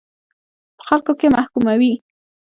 په خلکو کې محکوموي.